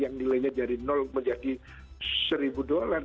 yang nilainya dari menjadi seribu dolar